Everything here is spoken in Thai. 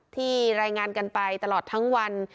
ที่รายงานกันไปตลอดทั้งวัน